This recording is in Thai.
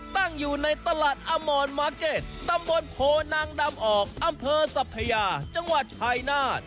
ตั้งอยู่ในตลาดอมอนมาร์เก็ตตำบลโพนางดำออกอำเภอสัพยาจังหวัดชายนาฏ